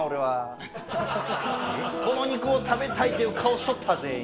この肉を食べたいっていう顔しとった全員。